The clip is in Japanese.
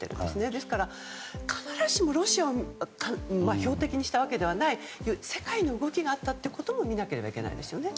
ですから、必ずしもロシアを標的にしたわけではない世界の動きがあったということも見なければいけないですよね。